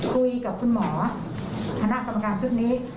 คุยกับคุณหมอทนสมการชุดนี้